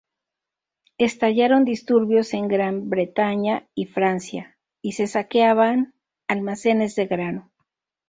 Estallaron disturbios en Gran Bretaña y Francia y se saqueaban almacenes de grano.